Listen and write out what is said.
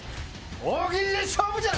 大喜利で勝負じゃ！